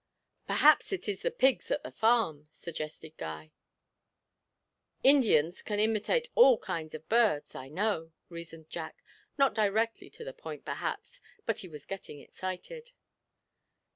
'Perhaps it is the pigs at the farm,' suggested Guy. 'Indians can imitate all kinds of birds, I know,' reasoned Jack, not directly to the point, perhaps, but he was getting excited.